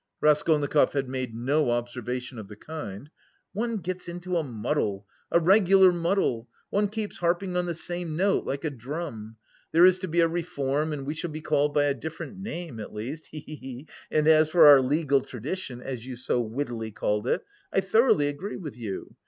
(Raskolnikov had made no observation of the kind.) "One gets into a muddle! A regular muddle! One keeps harping on the same note, like a drum! There is to be a reform and we shall be called by a different name, at least, he he he! And as for our legal tradition, as you so wittily called it, I thoroughly agree with you.